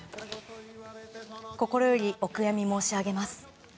心よりお悔やみ申し上げます。